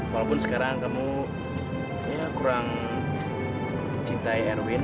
walaupun sekarang kamu kurang mencintai erwin